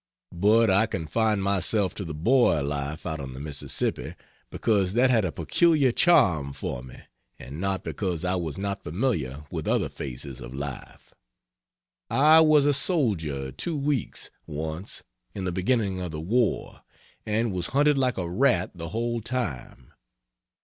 But I confined myself to the boy life out on the Mississippi because that had a peculiar charm for me, and not because I was not familiar with other phases of life. I was a soldier two weeks once in the beginning of the war, and was hunted like a rat the whole time.